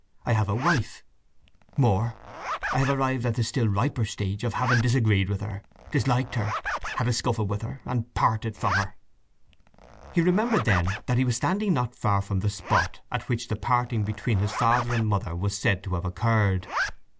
"I have a wife. More, I have arrived at the still riper stage of having disagreed with her, disliked her, had a scuffle with her, and parted from her." He remembered then that he was standing not far from the spot at which the parting between his father and his mother was said to have occurred.